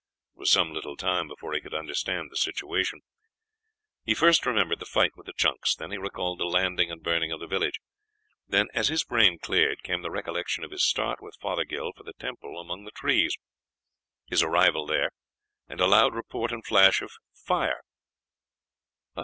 It was some little time before he could understand the situation. He first remembered the fight with the junks, then he recalled the landing and burning the village; then, as his brain cleared, came the recollection of his start with Fothergill for the temple among the trees, his arrival there, and a loud report and flash of fire.